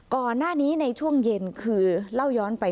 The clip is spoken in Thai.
ก่อนหน้านี้ในช่วงเย็นคือเล่าย้อนไป